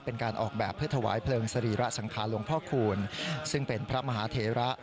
เป็นการออกแบบเพื่อถวายเพลิงสรีระสังขารหลวงพ่อคูณซึ่งเป็นพระมหาเทระ